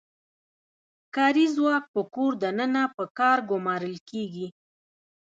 کاري ځواک په کور دننه په کار ګومارل کیږي.